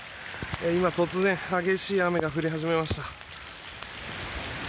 今、突然激しい雨が降り始めました。